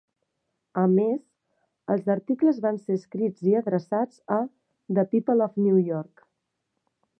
A més, els articles van ser escrits i adreçats a "The People of New York".